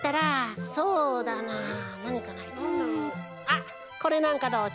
あっこれなんかどう？